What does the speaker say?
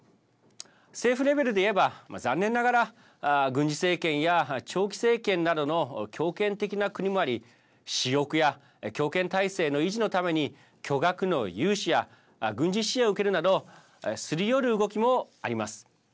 政府レベルで言えば残念ながら軍事政権や長期政権などの強権的な国もあり私欲や強権体制の維持のために巨額の融資や軍事支援を受けるなどすり寄る動きもあります。